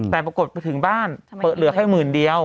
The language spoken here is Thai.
แต่ปรากฏไปถึงบ้านเปิดเหลือแค่๑๐๐๐๐เดียว